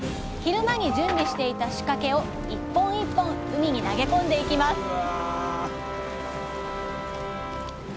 昼間に準備していた仕掛けを一本一本海に投げ込んでいきます